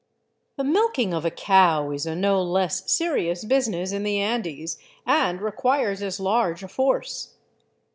The milking of a cow is a no less serious business in the Andes, and requires as large a force.